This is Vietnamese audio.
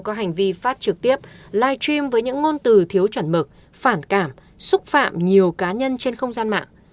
có hành vi phát trực tiếp live stream với những ngôn từ thiếu chuẩn mực phản cảm xúc phạm nhiều cá nhân trên không gian mạng